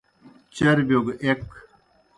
چربِیو گہ ایْک۔